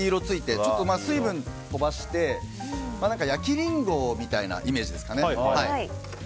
ちょっと水分を飛ばして焼きリンゴみたいなイメージですかね。